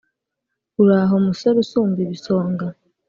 uraho musore usumba ibisonga